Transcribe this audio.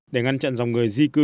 để ngăn chặn dòng người di cư